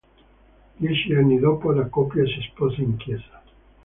Dieci anni dopo la coppia si sposa in chiesa.